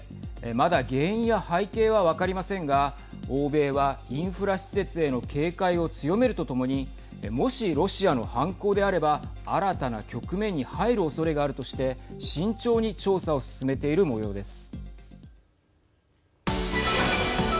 まだ原因や背景は分かりませんが欧米は、インフラ施設への警戒を強めるとともにもし、ロシアの犯行であれば新たな局面に入るおそれがあるとして慎重に調査を進めているもようです。